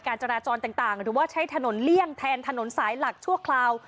จราจรต่างหรือว่าใช้ถนนเลี่ยงแทนถนนสายหลักชั่วคราว